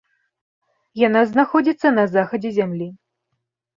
Яна знаходзіцца на захадзе зямлі.